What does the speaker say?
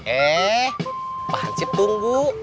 eh pak hansip tunggu